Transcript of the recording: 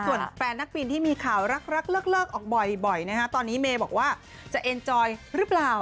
ส่วนแฟนนักบินที่มีข่าวรักเลิกออกบ่อยนะฮะตอนนี้เมย์บอกว่าจะเอ็นจอยหรือเปล่า